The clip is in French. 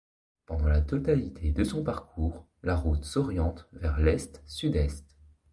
Pendant la totalité de son parcours, la route s'oriente vers l'est-sud-est.